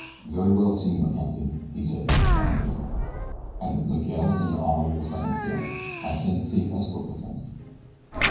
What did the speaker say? "Very well, Senor Captain," he said, bowing low. "I let Miguel and your honorable friend go. I send safe escort with them."